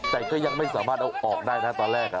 แต่ก็ยังไม่สามารถเอาออกได้นะตอนแรก